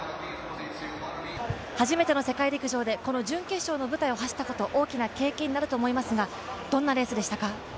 初めての世界陸上でこの準決勝の舞台を走ったこと、大きな経験になると思いますが、どんなレースでしたか？